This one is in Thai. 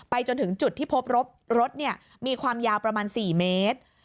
ไปจนถึงจุดที่พบรถเนี่ยมีความยาวประมาณสี่เมตร